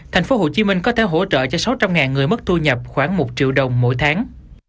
thành phố hồ chí minh có thể hỗ trợ cho sáu trăm linh người mất thu nhập khoảng một triệu đồng mỗi tháng